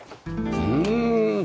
うん！